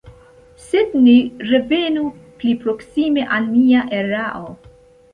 Sed ni revenu pli proksime al nia erao.